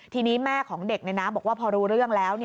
ทีนี้แม่ของเด็กบอกว่าพอรู้เรื่องแล้ว